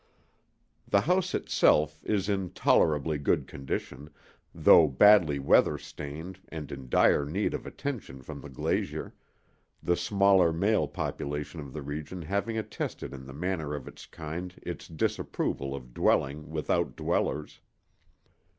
The house itself is in tolerably good condition, though badly weather stained and in dire need of attention from the glazier, the smaller male population of the region having attested in the manner of its kind its disapproval of dwelling without dwellers.